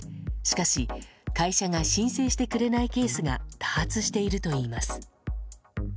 しかし、会社が申請してくれないケースが多発しているといいます。